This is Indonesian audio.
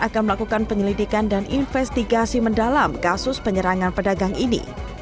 akan melakukan penyelidikan dan investigasi mendalam kasus penyerangan pedagang ini